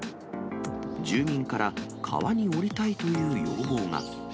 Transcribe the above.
住民から川に下りたいという要望が。